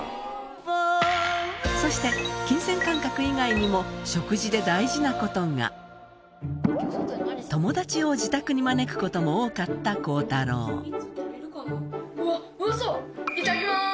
そして金銭感覚以外にも食事で大事なことが友達を自宅に招くことも多かった孝太郎いただきます！